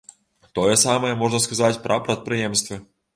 Тое самае можна сказаць пра прадпрыемствы.